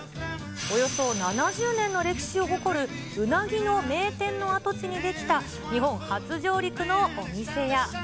およそ７０年の歴史を誇るうなぎの名店の跡地に出来た、日本初上陸のお店や。